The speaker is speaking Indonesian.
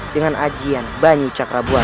dengan ajian banyu cakrabuara